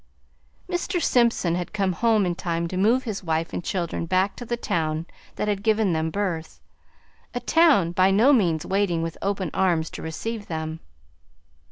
Mr. Simpson had come home in time to move his wife and children back to the town that had given them birth, a town by no means waiting with open arms to receive them.